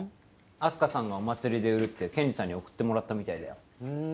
あす花さんがお祭りで売るってケンジさんに送ってもらったみたいだよ